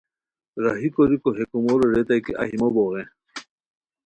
راہی کوریکو ہے کومورو ریتائے کی اہی موبوغے،